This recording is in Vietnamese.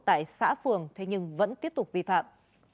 tại xã phường thế nhưng vẫn tiếp tục vi phạm